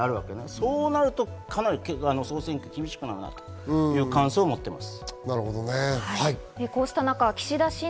そうなると総選挙は厳しくなるなという感想を持っています。